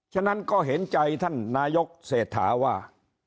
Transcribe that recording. ฉะนั้นก็เห็นใจท่านนายกเศรษฐาว่า